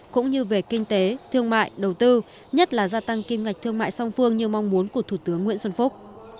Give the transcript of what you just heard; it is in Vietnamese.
cũng như về kinh tế thương mại đầu tư nhất là gia tăng kim ngạch thương mại song phương như mong muốn của thủ tướng nguyễn xuân phúc